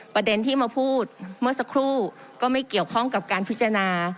ประเด็นที่มาพูดเมื่อสักครู่ก็ไม่เกี่ยวข้องกับการพิจารณา